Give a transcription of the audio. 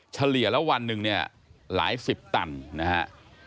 เฉลี่ยแล้ววันหนึ่งเนี่ยหลายสิบตันนะฮะ